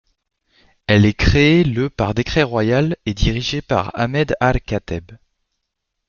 Elle est créée le par décret royal et dirigée par Ahmed Al Khateeb.